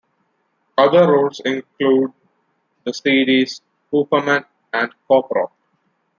Other roles include the series "Hooperman" and "Cop Rock".